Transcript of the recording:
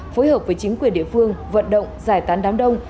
phối hợp với chính quyền địa phương vận động giải tán đám đông